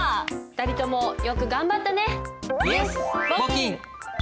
２人ともよく頑張ったね！